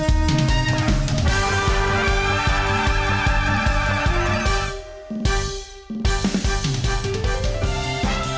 โปรดติดตามตอนต่อไป